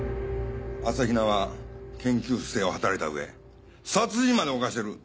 朝比奈は研究不正を働いた上殺人まで犯してる。